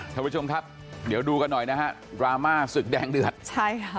ท่านผู้ชมครับเดี๋ยวดูกันหน่อยนะฮะดราม่าศึกแดงเดือดใช่ค่ะ